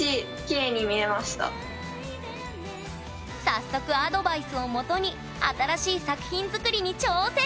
早速アドバイスをもとに新しい作品づくりに挑戦。